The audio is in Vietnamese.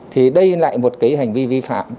thì đây lại một cái hành vi vi phạm